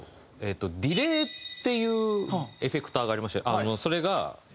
ディレイっていうエフェクターがありましてそれが。